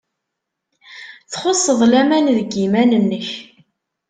Txuṣṣeḍ laman deg yiman-nnek.